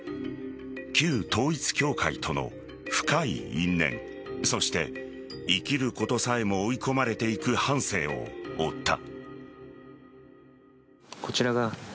旧統一教会との深い因縁そして、生きることさえも追い込まれていく半生を追った。